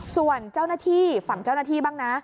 ส่วนเจ้าหน้าที่ฝั่งเจ้าหน้าที่บ้างนะ